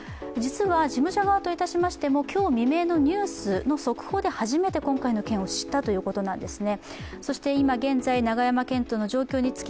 事務所側といたしましても今日未明のニュースで初めて今回の件を知ったということなんですね。